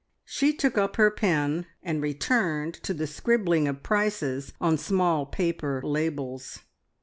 She took up her pen and returned to the scribbling of prices on small paper labels.